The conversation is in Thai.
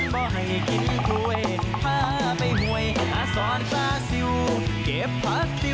เวลาออกอาการง่วงนะ